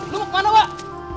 lo mau kemana wak